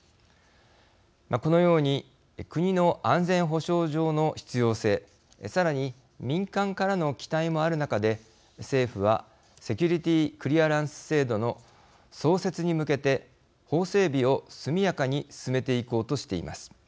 このように国の安全保障上の必要性さらに、民間からの期待もある中で、政府はセキュリティークリアランス制度の創設に向けて法整備を速やかに進めていこうとしています。